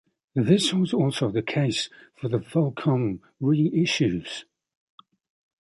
This was also the case for the Volcom reissues.